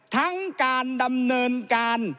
ทั้งการดำเนินการ